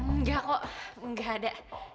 nggak kok nggak ada